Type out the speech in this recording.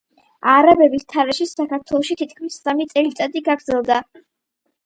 არაბების თარეში საქართველოში თითქმის სამი წელიწადი გაგრძელდა.